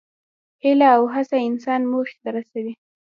هیله او هڅه انسان موخې ته رسوي.